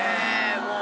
もう。